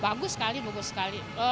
bagus sekali bagus sekali